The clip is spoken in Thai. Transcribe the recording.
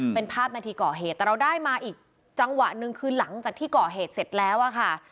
เป็นภาพนาทีก่อเหตุแต่เราได้มาอีกจังหวะหนึ่งคือหลังจากที่ก่อเหตุเสร็จแล้วอะค่ะ